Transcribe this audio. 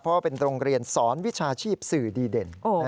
เพราะว่าเป็นโรงเรียนสอนวิชาชีพสื่อดีเด่น